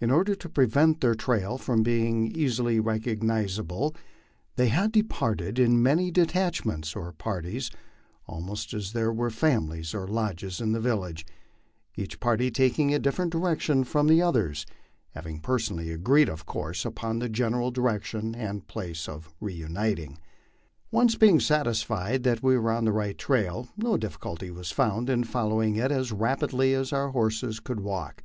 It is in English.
In order to prevent their trail from being easily recogniz able, they had departed in as many detachments or parties almost as there were families or lodges in the village, each party taking a different direction from the others, having personally agreed, of course, upon the general direction and place of reuniting. Once being satisfied that we were on the right trail, no difficulty was found in following it as rapidly as our horses could walk.